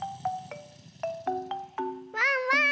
ワンワーン！